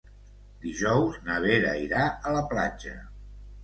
Dijous na Vera irà a la platja.